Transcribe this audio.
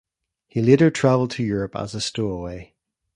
He later traveled to Europe as a stowaway.